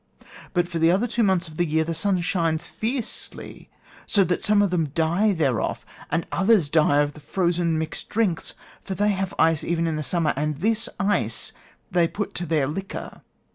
But for the other two months of the year the sun shines fiercely, so that some of them die thereof, and others die of the frozen mixed drinks; for they have ice even in the summer, and this ice they put to their liquor.